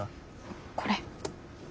これ。